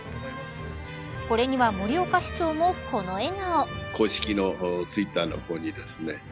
これには盛岡市長もこの笑顔。